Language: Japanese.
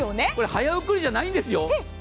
早送りじゃないんですよ。